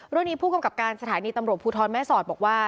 เรื่องนี้ผู้กำกับการสถานีตำรวจภูทรแม่สอดบอกว่า